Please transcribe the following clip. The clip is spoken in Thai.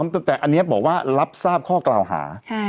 แต่อันนี้บอกว่ารับทราบข้อกล่าวหา